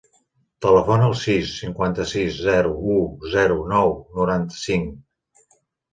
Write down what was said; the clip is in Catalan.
Telefona al sis, cinquanta-sis, zero, u, zero, nou, noranta-cinc.